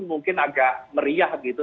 mungkin agak meriah gitu